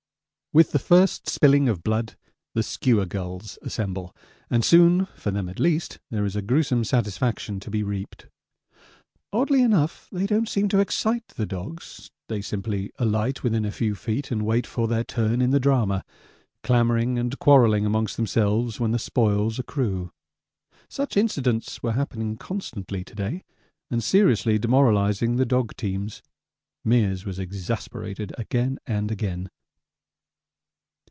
With the first spilling of blood the skua gulls assemble, and soon, for them at least, there is a gruesome satisfaction to be reaped. Oddly enough, they don't seem to excite the dogs; they simply alight within a few feet and wait for their turn in the drama, clamouring and quarrelling amongst themselves when the spoils accrue. Such incidents were happening constantly to day, and seriously demoralising the dog teams. Meares was exasperated again and again.